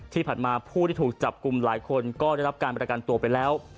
ที่ผ่านมาผู้ที่ถูกจับกลุ่มหลายคนก็ได้รับการประกันตัวไปแล้ว